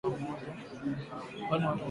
Mbali na matangazo ya moja kwa moja tu